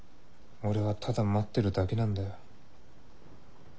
俺はただ待ってるだけなんだよ。